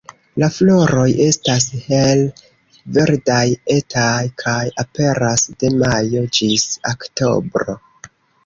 La floroj estas hele verdaj, etaj, kaj aperas de majo ĝis oktobro.